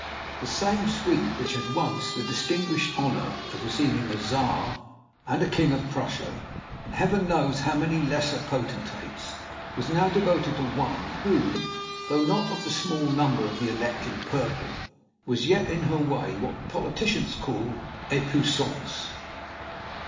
The same suite which had once the distinguished honor of receiving a Czar and a King of Prussia, and Heaven knows how many lesser potentates! was now devoted to one who, though not of the small number of the elect in purple, was yet, in her way, what politicians calls a "puissance."